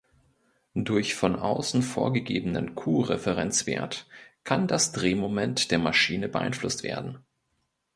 Durch von außen vorgegebenen q-Referenzwert kann das Drehmoment der Maschine beeinflusst werden.